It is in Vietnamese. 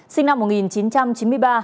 sinh năm một nghìn chín trăm chín mươi ba